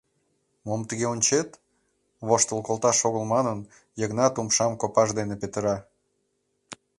— Мом тыге ончет? — воштыл колташ огыл манын, Йыгнат умшам копаж дене петыра.